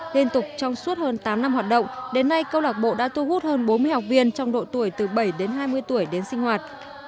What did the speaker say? liên tục trong suốt hơn tám năm hoạt động đến nay câu lạc bộ đã thu hút hơn bốn mươi học viên trong độ tuổi từ bảy đến hai mươi tuổi đến sinh hoạt